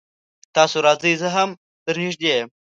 تاسو راځئ زه هم در نږدې يم